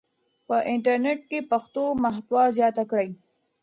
په انټرنیټ کې پښتو محتوا زیاته کړئ.